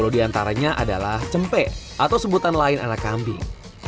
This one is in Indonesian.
sepuluh diantaranya adalah cempe atau sebutan lain anak kambing